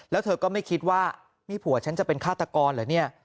แล้วเธอก็ไม่คิดว่านี่ผัวฉันจะเป็นฆาตกรเหรอเนี่ย